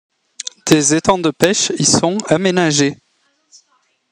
Des étangs de pêche y sont aménagés.